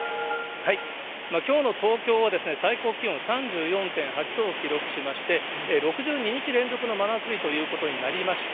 きょうの東京はですね、最高気温３４．８度を記録しまして、６２日連続の真夏日ということになりました。